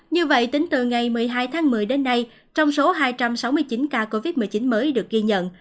như vậy tính từ ngày một mươi hai tháng một mươi đến nay trong số hai trăm sáu mươi chín ca covid một mươi chín mới được ghi nhận